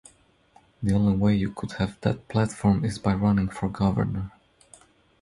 The only way you could have that platform is by running for governor.